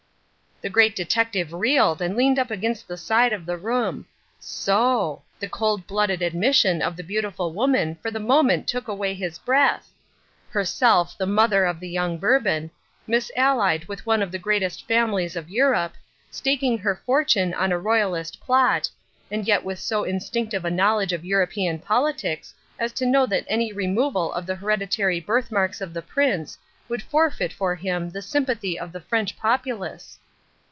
The Great Detective reeled and leaned up against the side of the room. So! The cold blooded admission of the beautiful woman for the moment took away his breath! Herself the mother of the young Bourbon, misallied with one of the greatest families of Europe, staking her fortune on a Royalist plot, and yet with so instinctive a knowledge of European politics as to know that any removal of the hereditary birth marks of the Prince would forfeit for him the sympathy of the French populace.